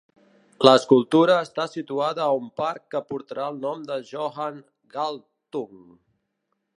L'escultura està situada a un parc que portarà el nom de Johan Galtung.